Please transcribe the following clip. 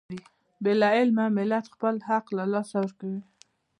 بې علمه ملت خپل حق له لاسه ورکوي.